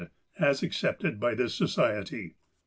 id^a.s accepted by this Society.